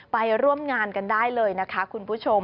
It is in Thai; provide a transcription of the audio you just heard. ไปร่วมงานกันได้เลยนะคะคุณผู้ชม